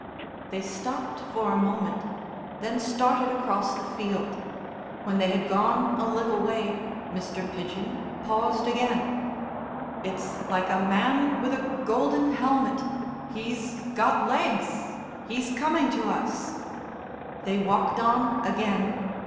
They stopped for a moment, then started across the field. When they had gone a little way Mr. Pidgen paused again. "It's like a man with a golden helmet. He's got legs, he's coming to us." They walked on again.